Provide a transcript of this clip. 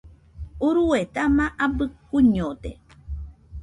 Urue dama abɨ kuiñode